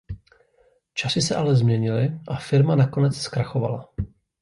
Časy se ale změnily a firma nakonec zkrachovala.